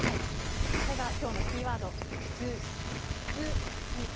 それが今日のキーワードスズキ。